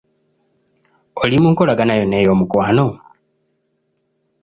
Oli mu nkolagana yonna ey'omukwano?